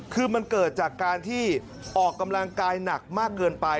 คือมันเกิดจากการที่ออกกำลังกายหนักมากเกินไป